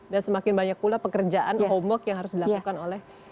dan semakin banyak pula pekerjaan homework yang harus dilakukan oleh